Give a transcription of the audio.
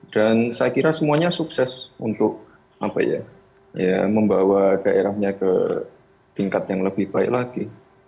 dan saya kira semuanya sukses untuk apa ya ya membawa daerahnya ke tingkat yang lebih baik lagi